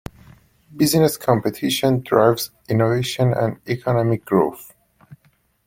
Business competition drives innovation and economic growth.